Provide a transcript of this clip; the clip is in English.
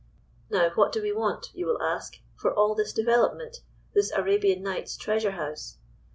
"Now, what do we want, you will ask, for all this development, this Arabian Night's treasure house?